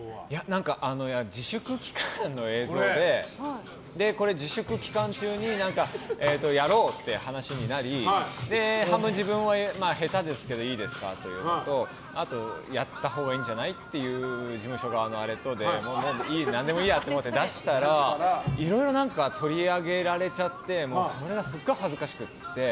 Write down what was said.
自粛期間の映像で自粛期間中にやろうって話になり半分、自分は下手ですけどいいですかというのとあと、やった方がいいんじゃない？っていう事務所側のあれとで何でもいいやと思って出したらいろいろ取り上げられちゃってそれがすごい恥ずかしくって。